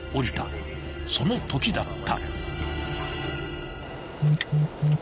［そのときだった］